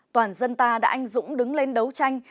toàn dân ta đã anh dũng đứng lên đấu tranh